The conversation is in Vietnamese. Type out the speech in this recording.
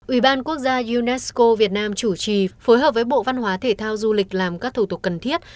ủy ban quốc gia unesco việt nam chủ trì phối hợp với bộ văn hóa thể thao du lịch làm các thủ tục cần thiết